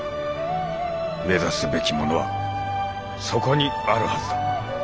目指すべきものはそこにあるはずだ。